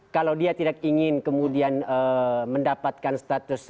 kalau dia tidak ingin kemudian mendapatkan status